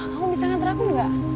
kamu bisa nganter aku gak